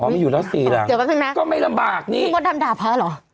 อ๋อมันอยู่แล้ว๔หลังก็ไม่ลำบากนี่เดี๋ยวแป๊บนึงนะพี่มดดำด่าพระหรอ